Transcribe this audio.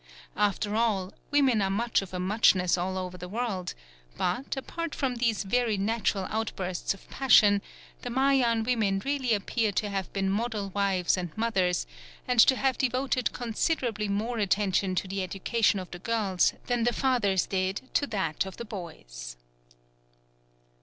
After all, women are much of a muchness all over the world; but, apart from these very natural outbursts of passion, the Mayan women really appear to have been model wives and mothers and to have devoted considerably more attention to the education of the girls than the fathers did to that of the boys.